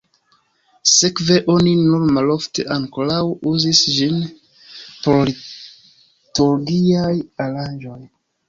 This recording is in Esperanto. Sekve oni nur malofte ankoraŭ uzis ĝin por liturgiaj aranĝoj.